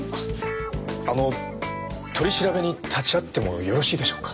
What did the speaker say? あの取り調べに立ち会ってもよろしいでしょうか？